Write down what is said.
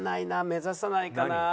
目指さないかな。